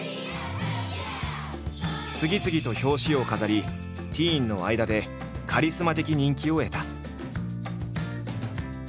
次々と表紙を飾りティーンの間でカリスマ的人気を得た。